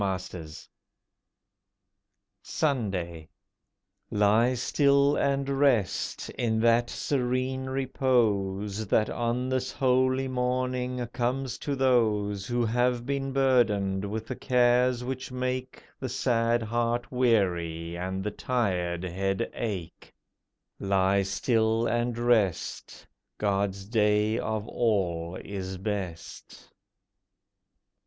POEMS OF THE WEEK SUNDAY Lie still and rest, in that serene repose That on this holy morning comes to those Who have been burdened with the cares which make The sad heart weary and the tired head ache. Lie still and rest— God's day of all is best.